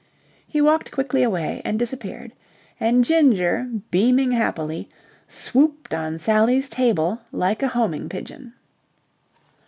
He walked quickly away and disappeared. And Ginger, beaming happily, swooped on Sally's table like a homing pigeon.